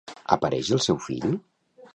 Apareix el seu fill?